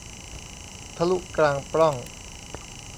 ทะลุกลางปล้อง